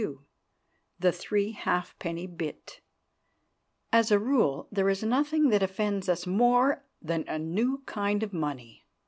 XXII THE THREE HALFPENNY BIT As a rule, there is nothing that offends us more than a new kind of money.